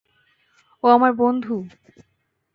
ও আমার বন্ধু।